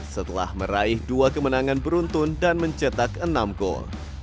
setelah meraih dua kemenangan beruntun dan mencetak enam gol